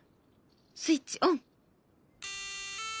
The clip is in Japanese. スイッチオン！